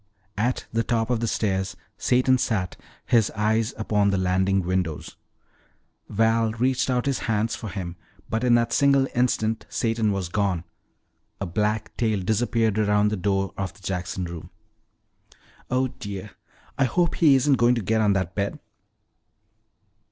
At the top of the stairs Satan sat, his eyes upon the landing windows. Val reached out his hands for him, but in that single instant Satan was gone. A black tail disappeared around the door of the Jackson room. "Oh, dear, I hope he isn't going to get on that bed."